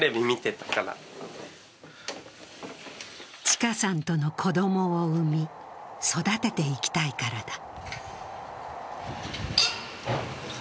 ちかさんとの子供を産み、育てていきたいからだ。